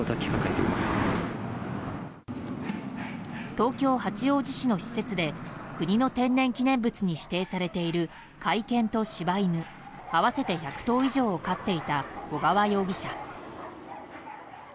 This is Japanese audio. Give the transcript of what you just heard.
東京・八王子市の施設で国の天然記念物に指定されている甲斐犬と柴犬合わせて１００頭以上を飼っていた尾川容疑者。